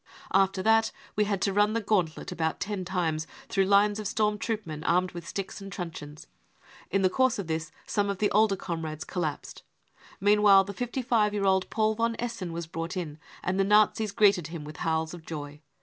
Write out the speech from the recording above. ,.. After that we had to run the gauntlet about ten times through lines of storm troop men armed with sticks and truncheons. In the course of this some of the r? t older comrades '^collapsed. Meanwhile, the fifty five year old Paul von Essen was brought in, the Nazis greet ing him with howls of joy.